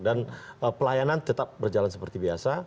dan pelayanan tetap berjalan seperti biasa